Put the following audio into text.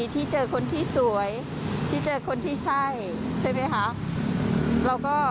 ที่เจอคนที่สวยที่เจอคนที่ใช่ใช่ไหมคะ